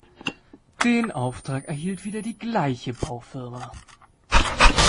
Den Auftrag erhielt wieder die gleiche Baufirma.